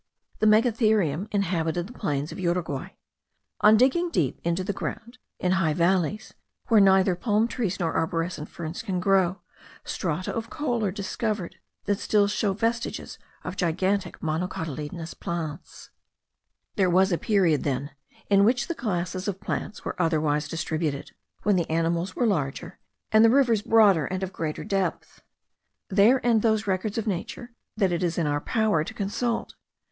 The megatherium inhabited the plains of Uruguay. On digging deep into the ground, in high valleys, where neither palm trees nor arborescent ferns can grow, strata of coal are discovered, that still show vestiges of gigantic monocotyledonous plants. There was a remote period then, in which the classes of plants were otherwise distributed, when the animals were larger, and the rivers broader and of greater depth. There end those records of nature, that it is in our power to consult.